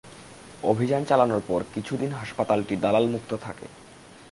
অভিযান চালানোর পর কিছুদিন হাসপাতালটি দালালমুক্ত থাকে।